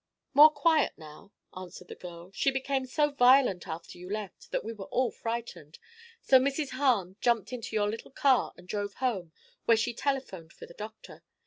"More quiet, now," answered the girl. "She became so violent, after you left, that we were all frightened; so Mrs. Hahn jumped into your little car and drove home, where she telephoned for the doctor.